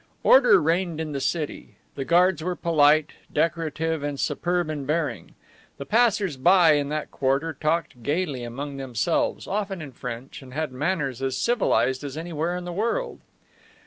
Order reigned in the city. The guards were polite, decorative and superb in bearing. The passers by in that quarter talked gayly among themselves, often in French, and had manners as civilized as anywhere in the world.